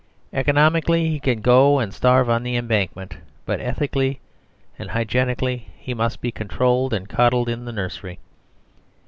Economically he can go and starve on the Embankment; but ethically and hygienically he must be controlled and coddled in the nursery.